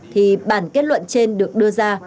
thì bản kết luận trên được đưa ra là